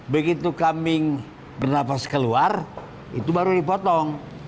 begitu kambing bernafas keluar itu baru dipotong